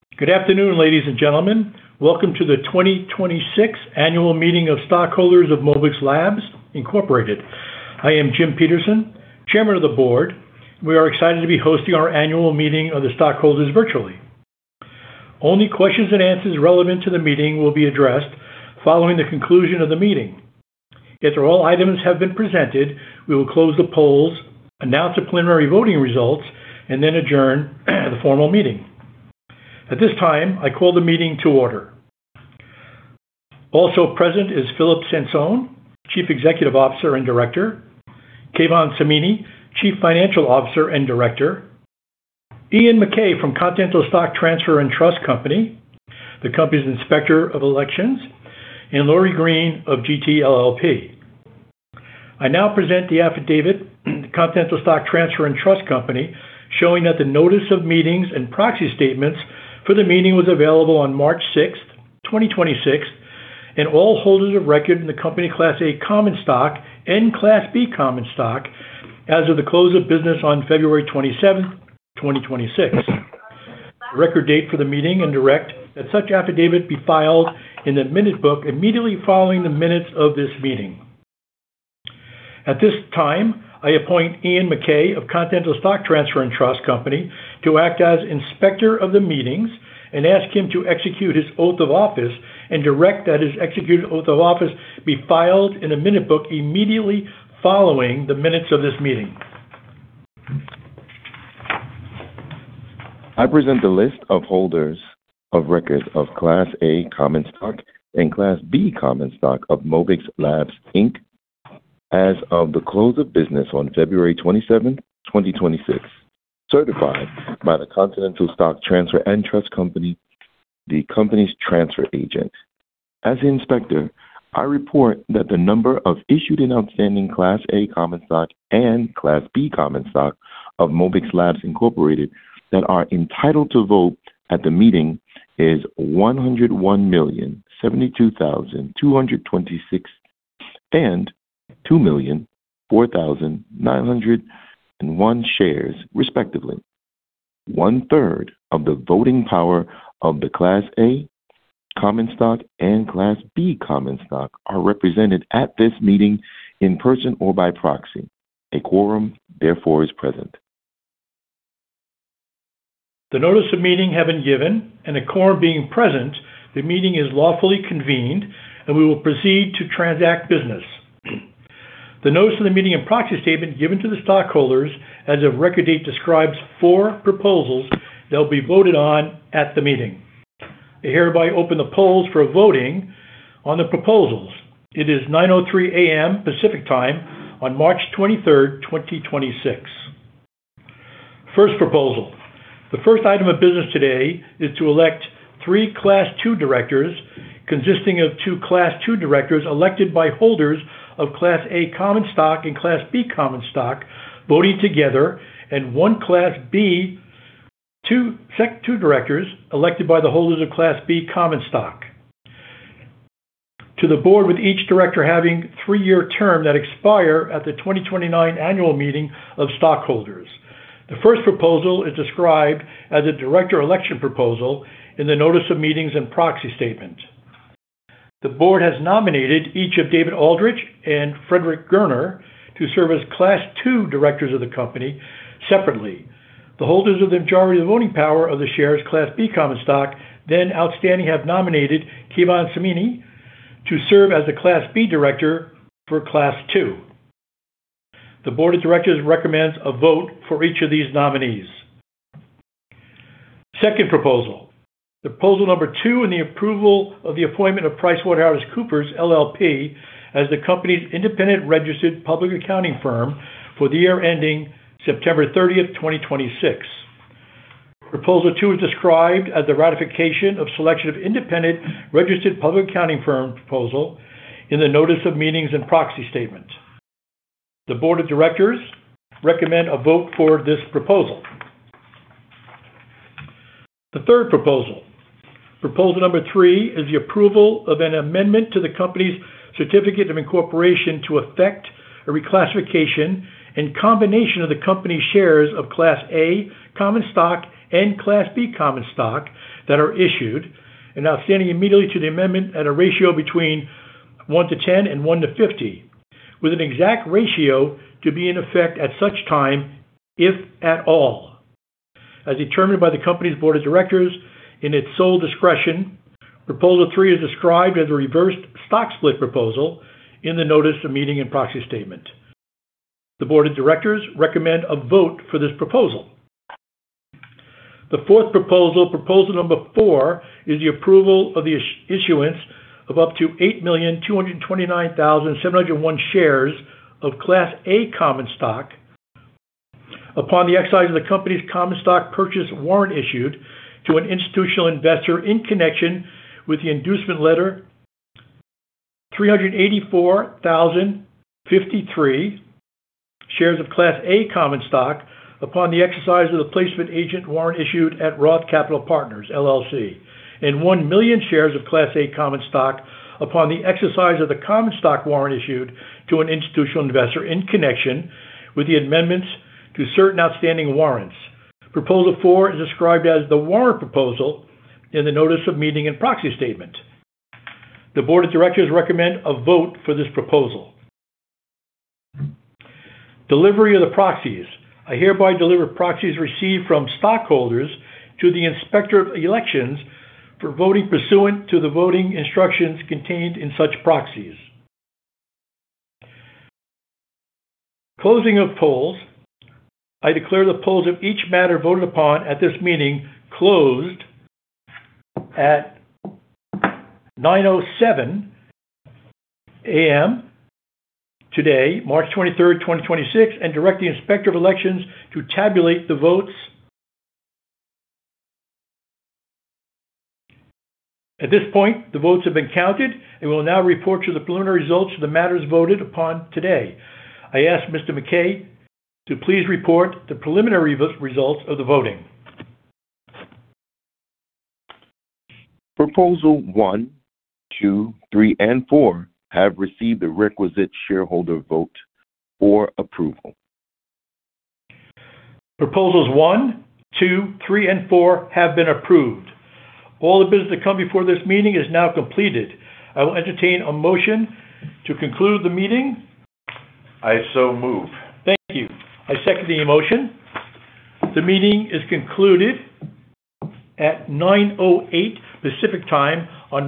Good afternoon, ladies and gentlemen. Welcome to the 2026 annual meeting of stockholders of Mobix Labs Incorporated. I am Jim Peterson, Chairman of the Board, and we are excited to be hosting our annual meeting of the stockholders virtually. Only questions and answers relevant to the meeting will be addressed following the conclusion of the meeting. After all items have been presented, we will close the polls, announce the preliminary voting results, and then adjourn the formal meeting. At this time, I call the meeting to order. Also present is Philip Sansone, Chief Executive Officer and Director. Keyvan Samini, Chief Financial Officer and Director. Ian Mackay from Continental Stock Transfer and Trust Company, the company's Inspector of Elections, and Lori Green of Grant Thornton LLP. I now present the affidavit to Continental Stock Transfer & Trust Company, showing that the notice of meetings and proxy statements for the meeting was available on March 6th, 2026, and all holders of record in the company Class A common stock and Class B common stock as of the close of business on February 27th, 2026, the record date for the meeting, and direct that such affidavit be filed in the minute book immediately following the minutes of this meeting. At this time, I appoint Ian Mackay of Continental Stock Transfer & Trust Company to act as inspector of the meeting and ask him to execute his oath of office and direct that his executed oath of office be filed in a minute book immediately following the minutes of this meeting. I present the list of holders of record of Class A common stock and Class B common stock of Mobix Labs, Inc. as of the close of business on February 27th, 2026, certified by the Continental Stock Transfer & Trust Company, the company's transfer agent. As the inspector, I report that the number of issued and outstanding Class A common stock and Class B common stock of Mobix Labs, Inc. that are entitled to vote at the meeting is 101,072,226 and 2,004,901 shares, respectively. One-third of the voting power of the Class A common stock and Class B common stock are represented at this meeting in person or by proxy. A quorum, therefore, is present. The notice of meeting have been given and a quorum being present, the meeting is lawfully convened, and we will proceed to transact business. The notice of the meeting and proxy statement given to the stockholders as of the record date describes four proposals that will be voted on at the meeting. I hereby open the polls for voting on the proposals. It is 9:03 A.M. Pacific Time on March 23rd, 2026. First proposal. The first item of business today is to elect three Class II directors, consisting of two Class II directors elected by holders of Class A common stock and Class B common stock, voting together, and one Class II director elected by the holders of Class B common stock to the board with each director having 3-year term that expire at the 2029 annual meeting of stockholders. The first proposal is described as a director election proposal in the notice of meetings and proxy statement. The board has nominated each of David Aldrich and Frederick Goerner to serve as Class II directors of the company separately. The holders of the majority of the voting power of the shares of Class B common stock then outstanding have nominated Keyvan Samini to serve as the Class B director for Class II. The board of directors recommends a vote for each of these nominees. Second proposal. The proposal number 2 and the approval of the appointment of PricewaterhouseCoopers LLP as the company's independent registered public accounting firm for the year ending September 30th, 2026. Proposal 2 is described as the ratification of the selection of independent registered public accounting firm proposal in the notice of meetings and proxy statements. The board of directors recommend a vote for this proposal. The third proposal. Proposal number 3 is the approval of an amendment to the company's certificate of incorporation to effect a reclassification and combination of the company shares of Class A common stock and Class B common stock that are issued and outstanding immediately prior to the amendment at a ratio between 1-to-10 and 1-to-50, with an exact ratio to be in effect at such time, if at all, as determined by the company's Board of Directors in its sole discretion. Proposal 3 is described as a reverse stock split proposal in the notice of meeting and proxy statement. The Board of Directors recommend a vote for this proposal. The fourth proposal. Proposal number 4 is the approval of the issuance of up to 8,229,701 shares of Class A common stock upon the exercise of the company's common stock purchase warrant issued to an institutional investor in connection with the inducement letter 384,053 shares of Class A common stock upon the exercise of the placement agent warrant issued to Roth Capital Partners, LLC, and 1,000,000 shares of Class A common stock upon the exercise of the common stock warrant issued to an institutional investor in connection with the amendments to certain outstanding warrants. Proposal 4 is described as the warrant proposal in the notice of meeting and proxy statement. The board of directors recommend a vote for this proposal. Delivery of the proxies. I hereby deliver proxies received from stockholders to the Inspector of Elections for voting pursuant to the voting instructions contained in such proxies. Closing of polls. I declare the polls of each matter voted upon at this meeting closed at 9:07 A.M. today, March 23rd, 2026, and direct the Inspector of Elections to tabulate the votes. At this point, the votes have been counted and we will now report the preliminary results of the matters voted upon today. I ask Mr. Mackay to please report the preliminary results of the voting. Proposal one, two, three, and four have received the requisite shareholder vote or approval. Proposals one, two, three, and four have been approved. All the business to come before this meeting is now completed. I will entertain a motion to conclude the meeting. I so move. Thank you. I second the motion. The meeting is concluded at 9:08 Pacific Time on March